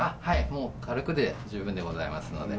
もう軽くで十分でございますので。